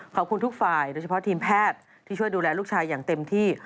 ขอบคุณทุกฝ่ายโดยเฉพาะทีมแพทย์ที่ช่วยดูแลลูกชายอย่างเต็มที่